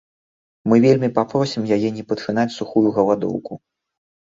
Мы вельмі папросім яе не пачынаць сухую галадоўку.